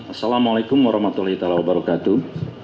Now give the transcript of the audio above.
assalamualaikum warahmatullahi wabarakatuh